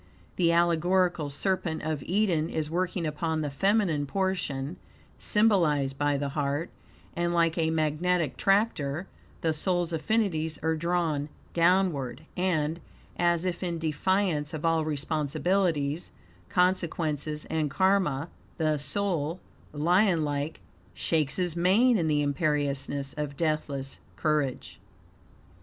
The allegorical serpent of Eden is working upon the feminine portion, symbolized by the heart, and, like a magnetic tractor, the soul's affinities are drawn downward, and, as if in defiance of all responsibilities, consequences, and Karma, the soul, lion like, "shakes his mane in the imperiousness of deathless courage."